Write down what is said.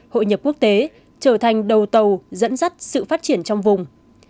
hội nhập quốc tế trở thành đầu tàu dẫn dắt sự phát triển trong vùng